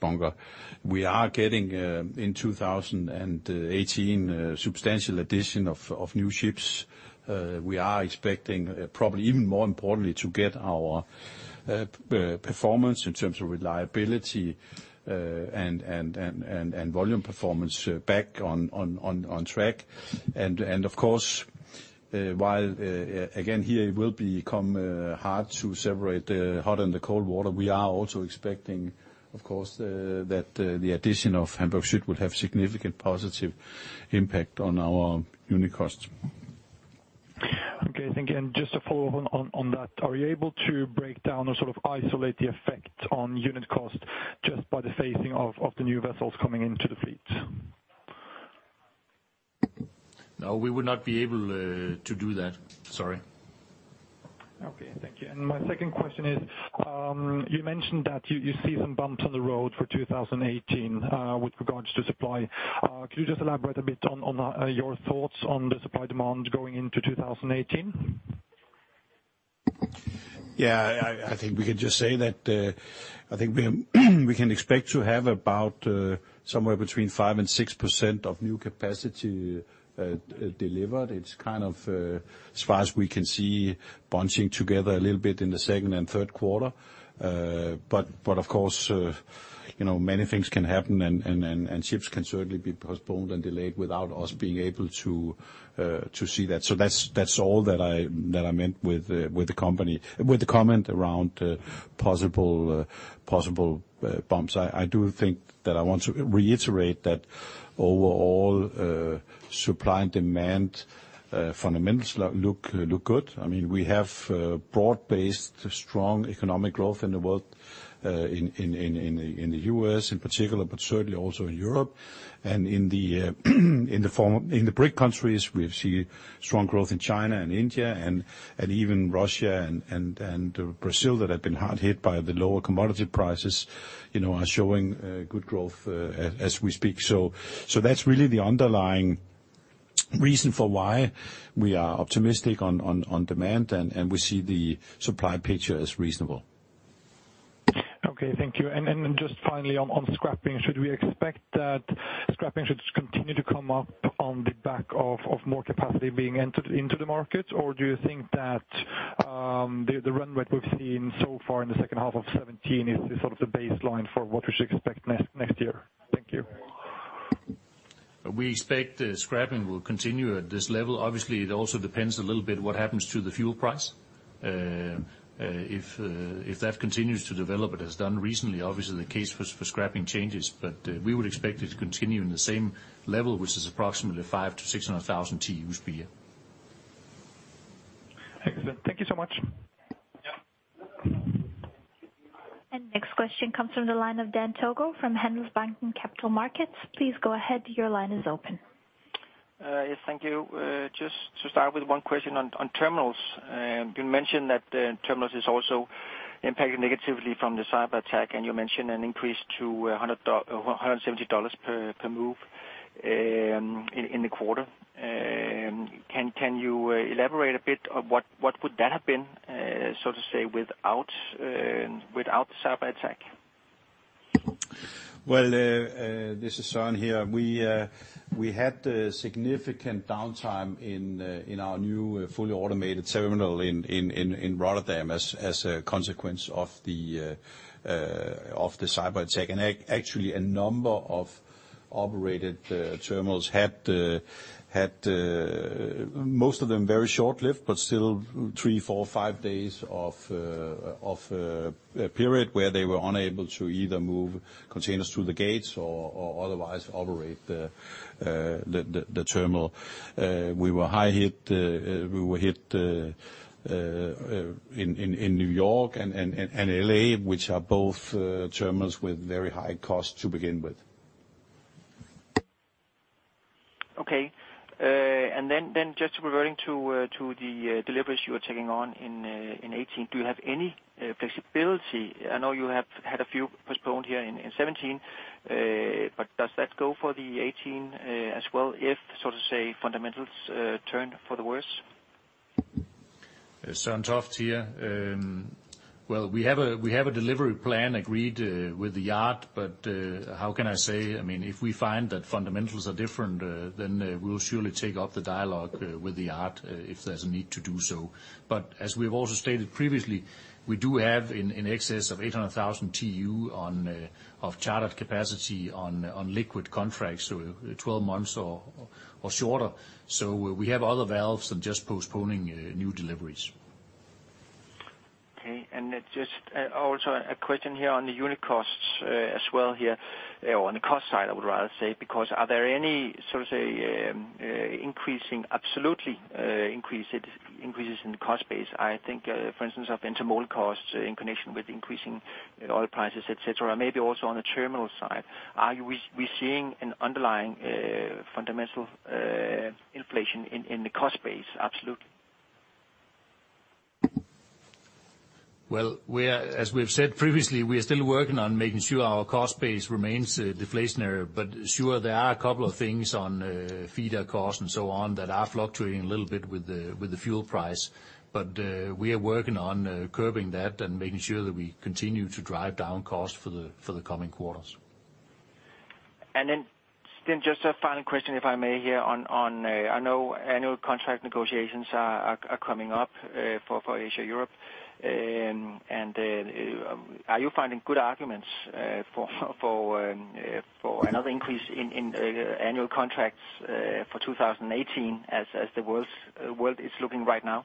[SPEAKER 1] bunker. We are getting in 2018 substantial addition of new ships. We are expecting, probably even more importantly, to get our performance in terms of reliability and volume performance back on track. Of course, while again here it will become hard to separate the hot and the cold water. We are also expecting, of course, that the addition of Hamburg Süd will have significant positive impact on our unit cost.
[SPEAKER 10] Okay, thank you. Just to follow on that, are you able to break down or sort of isolate the effect on unit cost just by the phasing of the new vessels coming into the fleet?
[SPEAKER 1] No, we would not be able to do that. Sorry.
[SPEAKER 10] Okay, thank you. My second question is, you mentioned that you see some bumps on the road for 2018, with regards to supply. Could you just elaborate a bit on your thoughts on the supply/demand going into 2018?
[SPEAKER 1] Yeah. I think we can just say that, I think we can expect to have about, somewhere between 5% and 6% of new capacity, delivered. It's kind of, as far as we can see, bunching together a little bit in the second and third quarter. Of course, you know, many things can happen and ships can certainly be postponed and delayed without us being able to see that. That's all that I meant with the comment around possible bumps. I do think that I want to reiterate that overall, supply and demand, fundamentals look good. I mean, we have broad-based strong economic growth in the world, in the U.S. In particular, but certainly also in Europe and in the form of the BRIC countries. We've seen strong growth in China and India and even Russia and Brazil that have been hard hit by the lower commodity prices, you know, are showing good growth as we speak. That's really the underlying reason for why we are optimistic on demand, and we see the supply picture as reasonable.
[SPEAKER 10] Okay, thank you. Just finally on scrapping, should we expect that scrapping should continue to come up on the back of more capacity being entered into the market? Or do you think that the run rate we've seen so far in the second half of 2017 is sort of the baseline for what we should expect next year? Thank you.
[SPEAKER 1] We expect scrapping will continue at this level. Obviously, it also depends a little bit what happens to the fuel price. If that continues to develop as it has done recently, obviously the case for scrapping changes, but we would expect it to continue in the same level, which is approximately 500,000-600,000 TEUs per year.
[SPEAKER 10] Excellent. Thank you so much.
[SPEAKER 1] Yeah.
[SPEAKER 6] Next question comes from the line of Dan Togo from Handelsbanken Capital Markets. Please go ahead, your line is open.
[SPEAKER 11] Yes, thank you. Just to start with one question on terminals. You mentioned that terminals is also impacted negatively from the cyberattack, and you mentioned an increase to $170 per move in the quarter. Can you elaborate a bit on what would that have been, so to say, without the cyberattack?
[SPEAKER 1] Well, this is Søren here. We had significant downtime in our new fully automated terminal in Rotterdam as a consequence of the cyberattack. Actually, a number of operated terminals had most of them very short-lived, but still three, four, five days of period where they were unable to either move containers through the gates or otherwise operate the terminal. We were hard hit in New York and L.A., which are both terminals with very high costs to begin with.
[SPEAKER 11] Just reverting to the deliveries you are taking on in 2018. Do you have any flexibility? I know you have had a few postponed here in 2017, but does that go for the 2018 as well, if so to speak, fundamentals turn for the worse?
[SPEAKER 4] Søren Toft here. Well, we have a delivery plan agreed with the yard, but how can I say, I mean, if we find that fundamentals are different, then we'll surely take up the dialogue with the yard if there's a need to do so. As we've also stated previously, we do have in excess of 800,000 TEU of chartered capacity on liquid contracts, so 12 months or shorter. We have other levers than just postponing new deliveries.
[SPEAKER 11] Okay. Just also a question here on the unit costs as well here, or on the cost side I would rather say, because are there any, so to say, absolute increases in the cost base? I think, for instance of intermodal costs in connection with increasing oil prices, et cetera. Maybe also on the terminal side. Are you seeing an underlying fundamental inflation in the cost base, absolutely?
[SPEAKER 4] Well, we are, as we've said previously, still working on making sure our cost base remains deflationary. Sure, there are a couple of things on feeder costs and so on that are fluctuating a little bit with the fuel price. We are working on curbing that and making sure that we continue to drive down costs for the coming quarters.
[SPEAKER 11] Then just a final question, if I may here on, I know annual contract negotiations are coming up, for Asia Europe. Are you finding good arguments, for another increase in annual contracts, for 2018 as the world is looking right now?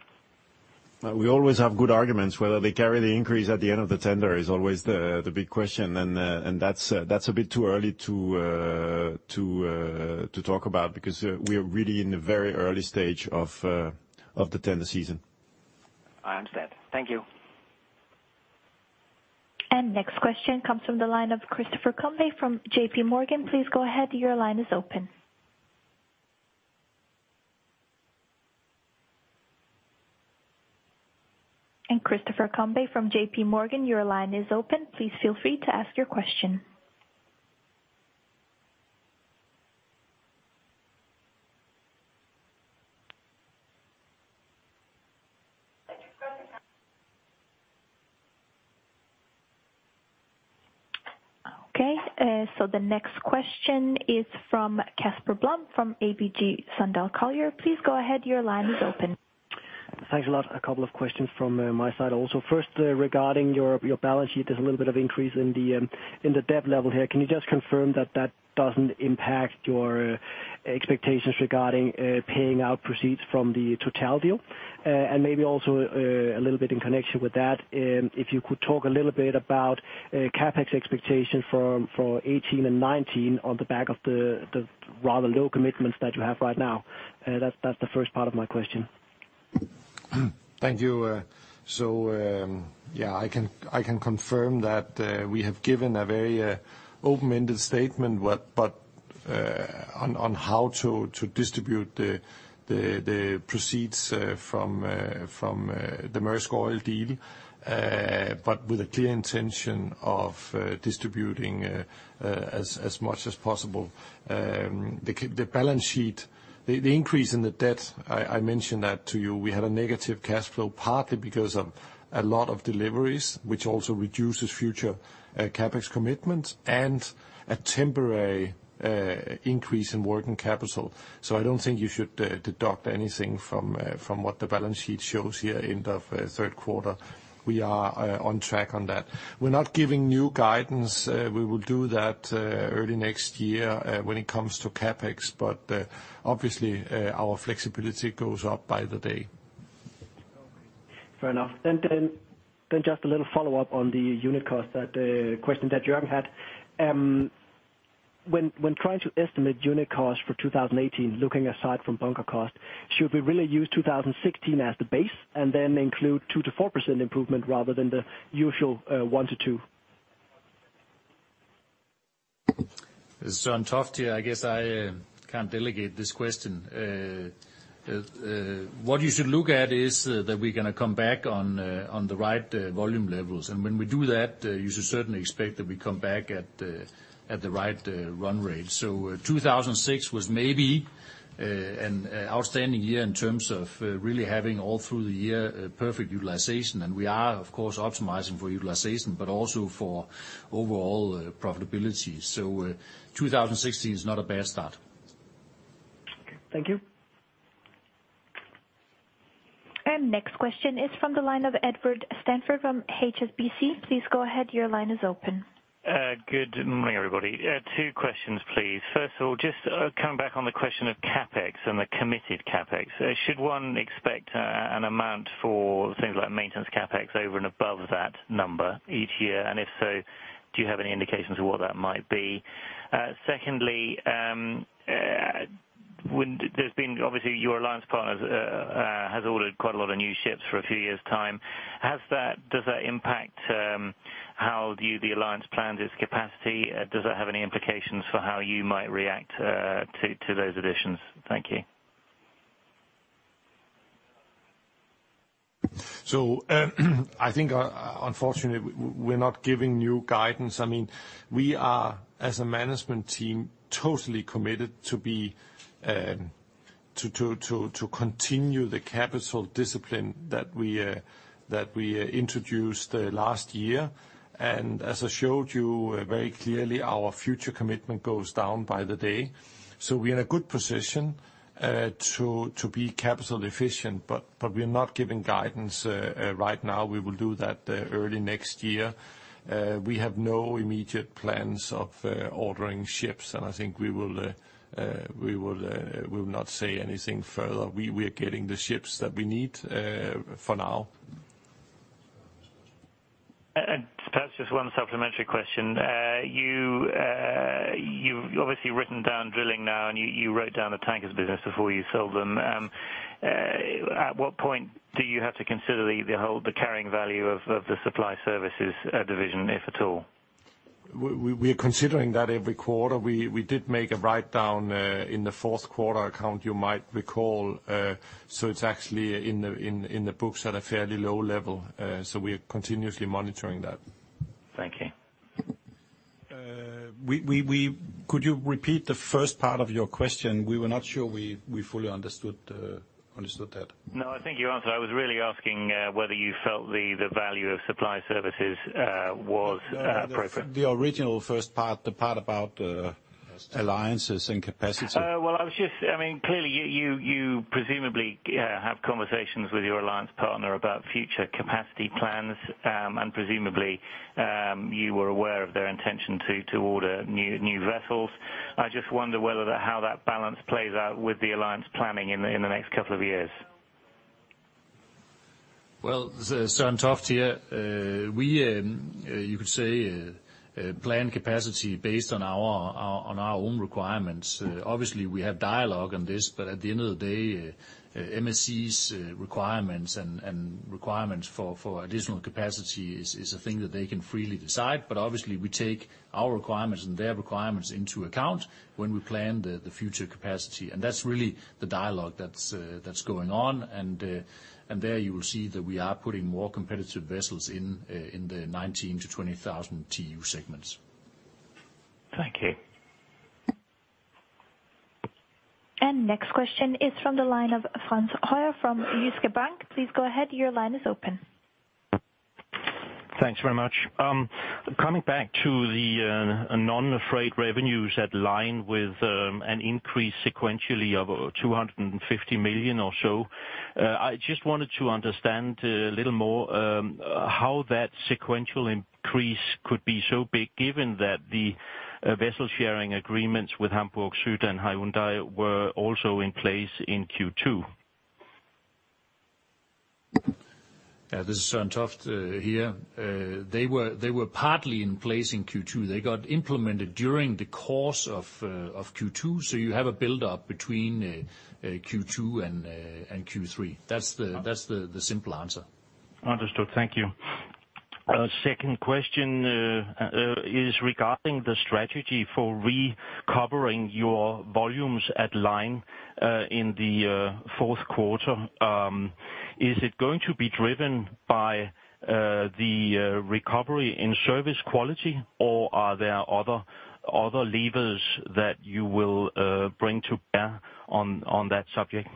[SPEAKER 4] We always have good arguments. Whether they carry the increase at the end of the tender is always the big question. That's a bit too early to talk about because we are really in the very early stage of the tender season.
[SPEAKER 11] I understand. Thank you.
[SPEAKER 6] Next question comes from the line of Christopher Combe from J.P. Morgan. Please go ahead, your line is open. Christopher Combe from J.P. Morgan, your line is open. Please feel free to ask your question. Okay. The next question is from Casper Blom from ABG Sundal Collier. Please go ahead, your line is open.
[SPEAKER 12] Thanks a lot. A couple of questions from my side also. First, regarding your balance sheet, there's a little bit of increase in the debt level here. Can you just confirm that that doesn't impact your expectations regarding paying out proceeds from the Total deal? And maybe also a little bit in connection with that, if you could talk a little bit about CapEx expectations for 2018 and 2019 on the back of the rather low commitments that you have right now. That's the first part of my question.
[SPEAKER 4] Thank you. I can confirm that we have given a very open-ended statement, but on how to distribute the proceeds from the Maersk Oil deal with a clear intention of distributing as much as possible. The balance sheet, the increase in the debt, I mentioned that to you. We had a negative cash flow, partly because of a lot of deliveries, which also reduces future CapEx commitments and a temporary increase in working capital. I don't think you should deduct anything from what the balance sheet shows here, end of third quarter. We are on track on that. We're not giving new guidance. We will do that early next year when it comes to CapEx. Obviously, our flexibility goes up by the day.
[SPEAKER 12] Okay. Fair enough. Just a little follow-up on the unit cost question that Jørgen had. When trying to estimate unit cost for 2018, looking aside from bunker cost, should we really use 2016 as the base and then include 2%-4% improvement rather than the usual 1%-2%?
[SPEAKER 4] Søren Toft here. I guess I can't delegate this question. What you should look at is that we're gonna come back on the right volume levels. When we do that, you should certainly expect that we come back at the right run rate. 2006 was maybe an outstanding year in terms of really having all through the year a perfect utilization. We are, of course, optimizing for utilization, but also for overall profitability. 2016 is not a bad start.
[SPEAKER 12] Thank you.
[SPEAKER 6] Next question is from the line of Edward Stanford from HSBC. Please go ahead, your line is open.
[SPEAKER 13] Good morning, everybody. Two questions, please. First of all, just coming back on the question of CapEx and the committed CapEx. Should one expect an amount for things like maintenance CapEx over and above that number each year? And if so, do you have any indications of what that might be? Secondly, when there's been obviously your alliance partners has ordered quite a lot of new ships for a few years' time. Does that impact how the alliance plans its capacity? Does that have any implications for how you might react to those additions? Thank you.
[SPEAKER 2] I think, unfortunately we're not giving new guidance. I mean, we are, as a management team, totally committed to continue the capital discipline that we introduced last year. As I showed you very clearly, our future commitment goes down by the day. We're in a good position to be capital efficient, but we're not giving guidance right now. We will do that early next year. We have no immediate plans of ordering ships, and I think we will not say anything further. We're getting the ships that we need for now.
[SPEAKER 13] Perhaps just one supplementary question. You've obviously written down drilling now, and you wrote down the tankers business before you sold them. At what point do you have to consider the whole carrying value of the supply services division, if at all?
[SPEAKER 2] We're considering that every quarter. We did make a write-down in the fourth quarter account, you might recall. It's actually in the books at a fairly low level. We're continuously monitoring that.
[SPEAKER 13] Thank you.
[SPEAKER 2] Could you repeat the first part of your question? We were not sure we fully understood that.
[SPEAKER 13] No, I think you answered. I was really asking whether you felt the value of Supply Service was appropriate.
[SPEAKER 2] The original first part, the part about alliances and capacity.
[SPEAKER 13] Well, I mean, clearly you presumably have conversations with your alliance partner about future capacity plans, and presumably you were aware of their intention to order new vessels. I just wonder whether that, how that balance plays out with the alliance planning in the next couple of years.
[SPEAKER 4] Well, Søren Toft here. You could say we plan capacity based on our own requirements. Obviously we have dialogue on this, but at the end of the day, MSC's requirements and requirements for additional capacity is a thing that they can freely decide. Obviously we take our requirements and their requirements into account when we plan the future capacity. That's really the dialogue that's going on. There you will see that we are putting more competitive vessels in the 19,000-20,000 TEU segments.
[SPEAKER 13] Thank you.
[SPEAKER 6] Next question is from the line of Frans Høyer from Jyske Bank. Please go ahead, your line is open.
[SPEAKER 14] Thanks very much. Coming back to the non-freight revenues that line with an increase sequentially of $250 million or so, I just wanted to understand a little more how that sequential increase could be so big given that the vessel sharing agreements with Hamburg Süd and Hyundai were also in place in Q2.
[SPEAKER 4] Yeah, this is Søren Toft here. They were partly in place in Q2. They got implemented during the course of Q2, so you have a buildup between Q2 and Q3. That's the simple answer.
[SPEAKER 14] Understood. Thank you. Second question is regarding the strategy for recovering your volumes at Maersk Line in the fourth quarter. Is it going to be driven by the recovery in service quality, or are there other levers that you will bring to bear on that subject?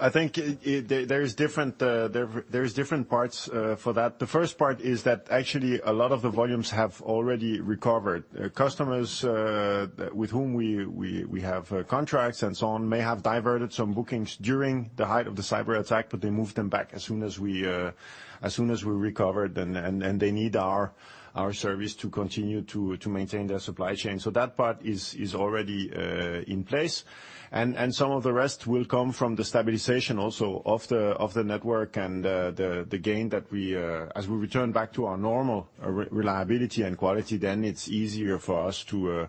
[SPEAKER 2] I think there's different parts for that. The first part is that actually a lot of the volumes have already recovered. Customers with whom we have contracts and so on may have diverted some bookings during the height of the cyberattack, but they moved them back as soon as we recovered, and they need our service to continue to maintain their supply chain. That part is already in place. Some of the rest will come from the stabilization also of the network and the gain that we as we return back to our normal reliability and quality, then it's easier for us to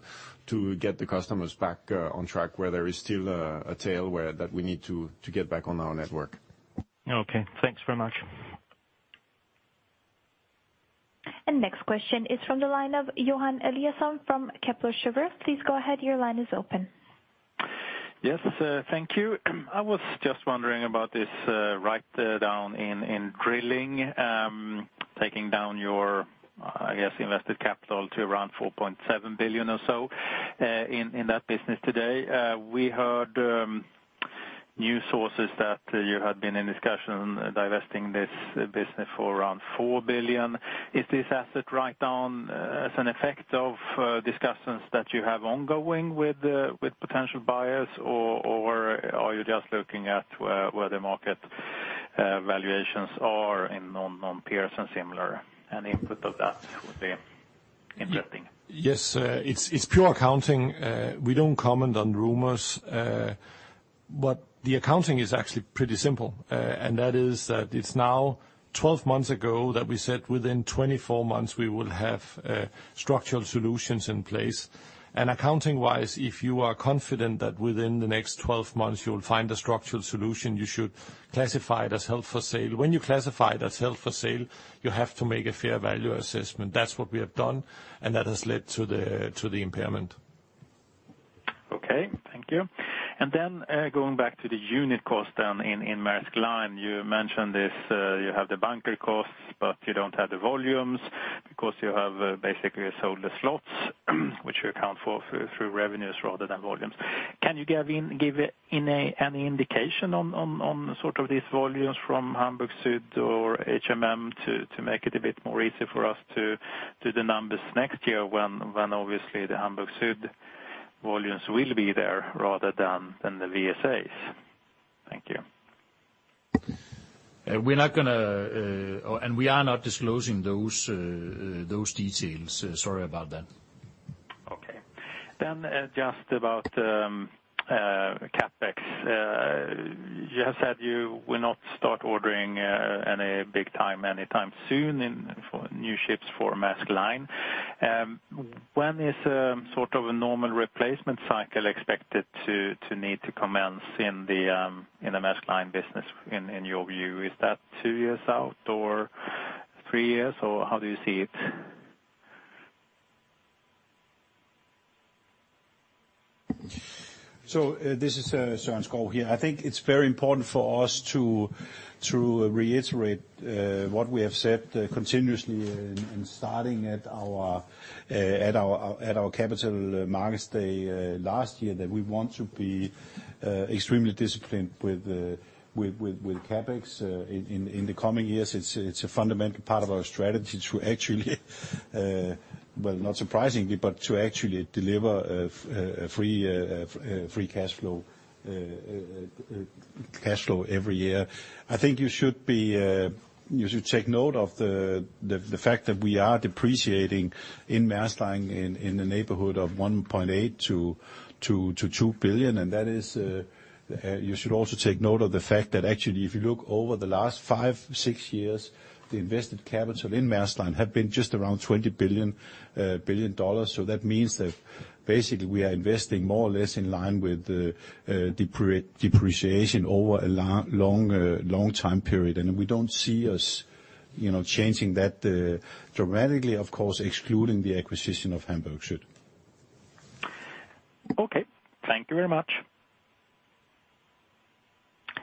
[SPEAKER 2] get the customers back on track where there is still a tail where that we need to get back on our network.
[SPEAKER 14] Okay. Thanks very much.
[SPEAKER 6] Next question is from the line of Johan Eliason from Kepler Cheuvreux. Please go ahead, your line is open.
[SPEAKER 15] Yes, thank you. I was just wondering about this write-down in drilling, taking down your invested capital to around $4.7 billion or so in that business today. We heard news sources that you had been in discussions divesting this business for around $4 billion. Is this asset write-down as an effect of discussions that you have ongoing with potential buyers, or are you just looking at where the market valuations are in non-peers and similar? Any input on that would be interesting.
[SPEAKER 2] Yes. It's pure accounting. We don't comment on rumors. The accounting is actually pretty simple, and that is that it's now 12 months ago that we said within 24 months we will have structural solutions in place. Accounting-wise, if you are confident that within the next 12 months you'll find a structural solution, you should classify it as held for sale. When you classify it as held for sale, you have to make a fair value assessment. That's what we have done, and that has led to the impairment.
[SPEAKER 15] Okay, thank you. Going back to the unit cost then in Maersk Line, you mentioned this. You have the bunker costs, but you don't have the volumes because you have basically sold the slots which you account for through revenues rather than volumes. Can you give an indication on sort of these volumes from Hamburg Süd or HMM to make it a bit more easy for us to do the numbers next year when obviously the Hamburg Süd volumes will be there rather than the VSAs? Thank you.
[SPEAKER 1] We're not gonna, and we are not disclosing those details. Sorry about that.
[SPEAKER 15] Okay. Just about CapEx. You have said you will not start ordering any big-ticket anytime soon and for new ships for Maersk Line. When is sort of a normal replacement cycle expected to need to commence in the Maersk Line business in your view? Is that two years out or three years, or how do you see it?
[SPEAKER 1] This is Søren Skou here. I think it's very important for us to reiterate what we have said continuously and starting at our capital markets day last year that we want to be extremely disciplined with CapEx in the coming years. It's a fundamental part of our strategy to actually well, not surprisingly, but to actually deliver a free cashflow every year. I think you should take note of the fact that we are depreciating in Maersk Line in the neighborhood of $1.8 billion-$2 billion. That is, you should also take note of the fact that actually, if you look over the last 5-6 years, the invested capital in Maersk Line have been just around $20 billion. That means that basically we are investing more or less in line with depreciation over a long time period. We don't see us, you know, changing that dramatically, of course, excluding the acquisition of Hamburg Süd.
[SPEAKER 15] Okay. Thank you very much.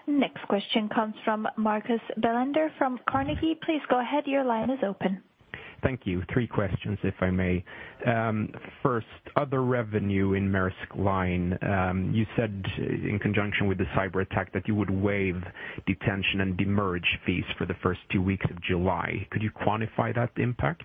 [SPEAKER 6] Next question comes from Marcus Bellander from Carnegie. Please go ahead. Your line is open.
[SPEAKER 16] Thank you. Three questions, if I may. First, other revenue in Maersk Line. You said in conjunction with the cyberattack that you would waive detention and demurrage fees for the first two weeks of July. Could you quantify that impact?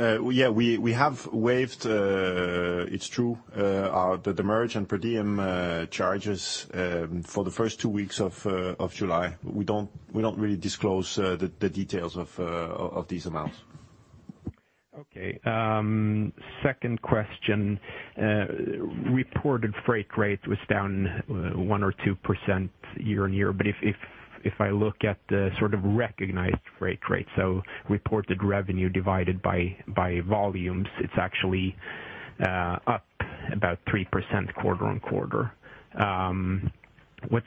[SPEAKER 1] Yeah, we have waived, it's true, our demurrage and per diem charges for the first two weeks of July. We don't really disclose the details of these amounts.
[SPEAKER 16] Okay. Second question. Reported freight rate was down 1% or 2% year-on-year. If I look at the sort of recognized freight rate, so reported revenue divided by volumes, it's actually up about 3% quarter-on-quarter.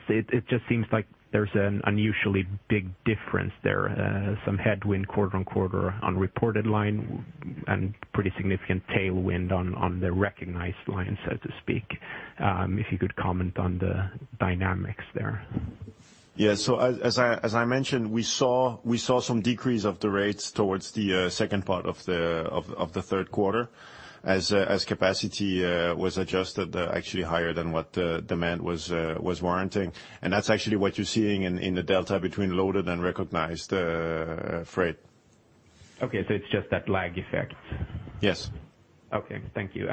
[SPEAKER 16] It just seems like there's an unusually big difference there. Some headwind quarter-on-quarter on reported line and pretty significant tailwind on the recognized line, so to speak. If you could comment on the dynamics there.
[SPEAKER 1] Yeah. As I mentioned, we saw some decrease of the rates towards the second part of the third quarter as capacity was adjusted actually higher than what demand was warranting. That's actually what you're seeing in the delta between loaded and recognized freight.
[SPEAKER 16] Okay, it's just that lag effect.
[SPEAKER 1] Yes.
[SPEAKER 16] Okay. Thank you.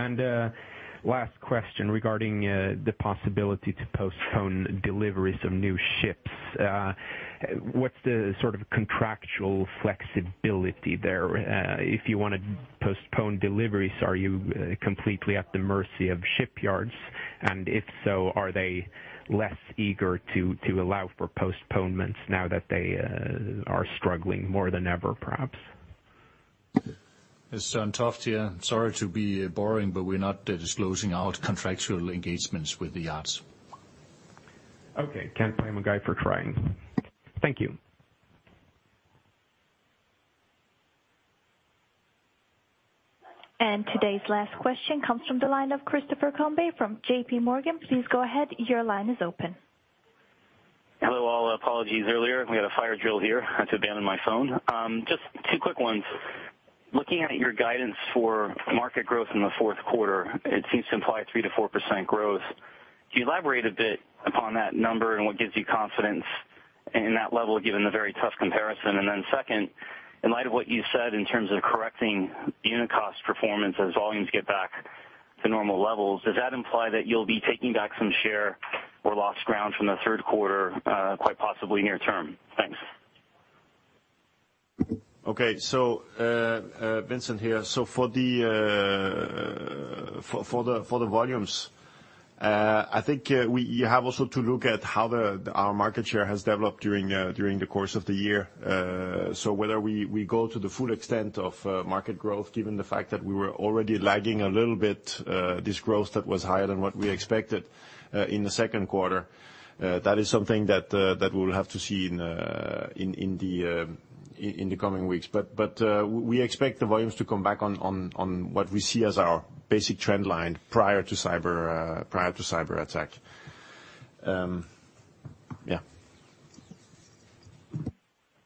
[SPEAKER 16] Last question regarding the possibility to postpone deliveries of new ships. What's the sort of contractual flexibility there? If you wanna postpone deliveries, are you completely at the mercy of shipyards? And if so, are they less eager to allow for postponements now that they are struggling more than ever, perhaps?
[SPEAKER 4] It's Søren Toft here. Sorry to be boring, but we're not disclosing our contractual engagements with the yards.
[SPEAKER 16] Okay. Can't blame a guy for trying. Thank you.
[SPEAKER 6] Today's last question comes from the line of Christopher Combe from JPMorgan. Please go ahead. Your line is open.
[SPEAKER 17] Hello, all. Apologies earlier. We had a fire drill here. Had to abandon my phone. Just two quick ones. Looking at your guidance for market growth in the fourth quarter, it seems to imply 3%-4% growth. Could you elaborate a bit upon that number and what gives you confidence in that level, given the very tough comparison? Then second, in light of what you said in terms of correcting unit cost performance as volumes get back to normal levels, does that imply that you'll be taking back some share or lost ground from the third quarter, quite possibly near term? Thanks.
[SPEAKER 3] Vincent here. For the volumes, I think you have also to look at how our market share has developed during the course of the year. Whether we go to the full extent of market growth, given the fact that we were already lagging a little bit, this growth that was higher than what we expected in the second quarter, that is something that we'll have to see in the coming weeks. We expect the volumes to come back on what we see as our basic trend line prior to cyberattack. Yeah.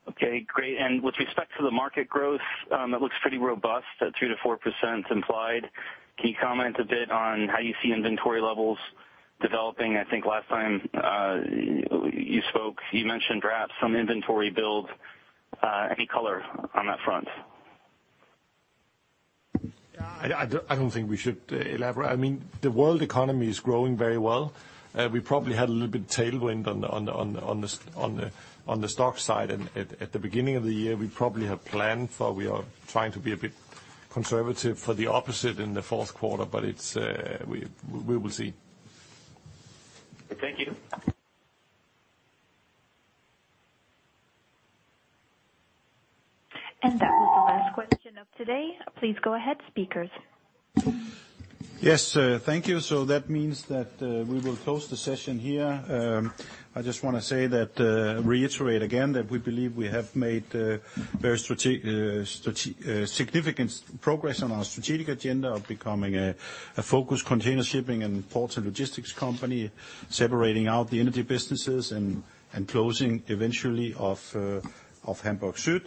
[SPEAKER 17] Okay, great. With respect to the market growth, that looks pretty robust at 2%-4% implied. Can you comment a bit on how you see inventory levels developing? I think last time, you spoke, you mentioned perhaps some inventory build. Any color on that front?
[SPEAKER 1] Yeah, I don't think we should elaborate. I mean, the world economy is growing very well. We probably had a little bit of tailwind on the stock side. At the beginning of the year, we are trying to be a bit conservative for the opposite in the fourth quarter, but it's. We will see.
[SPEAKER 17] Thank you.
[SPEAKER 6] That was the last question of today. Please go ahead, speakers.
[SPEAKER 1] Yes, thank you. That means that we will close the session here. I just wanna say that, reiterate again that we believe we have made very significant progress on our strategic agenda of becoming a focused container shipping and ports and logistics company, separating out the energy businesses and closing eventually of Hamburg Süd.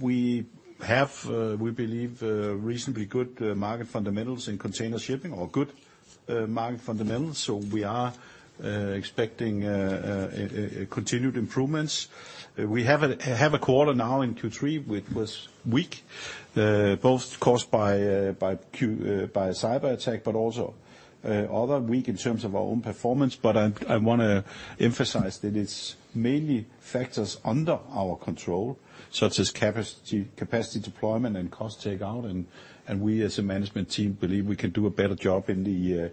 [SPEAKER 1] We have, we believe, reasonably good market fundamentals in container shipping or good market fundamentals. We are expecting continued improvements. We have a quarter now in Q3, which was weak, both caused by a cyberattack, but also other weak in terms of our own performance. I wanna emphasize that it's mainly factors under our control, such as capacity deployment and cost takeout. We, as a management team, believe we can do a better job in the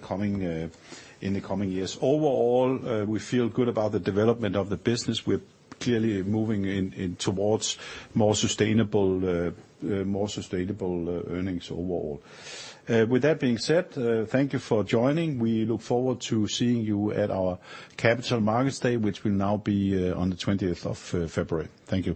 [SPEAKER 1] coming years. Overall, we feel good about the development of the business. We're clearly moving towards more sustainable earnings overall. With that being said, thank you for joining. We look forward to seeing you at our Capital Markets Day, which will now be on the twentieth of February. Thank you.